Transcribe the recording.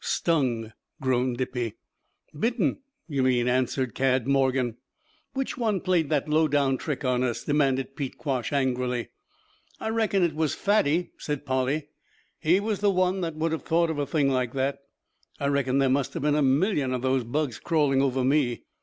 "Stung!" groaned Dippy. "Bitten, you mean," answered Cad Morgan. "Which one played that low down trick on us?" demanded Pete Quash angrily. "I reckon it was Fatty," said Polly. "He's the one that would have thought of a thing like that. I reckon there must have been a million of those bugs crawling over me."